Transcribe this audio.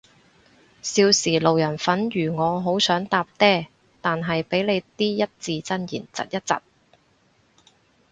少時路人粉如我好想搭嗲，但係被你啲一字真言疾一疾